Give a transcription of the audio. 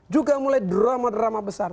juga mulai drama drama besar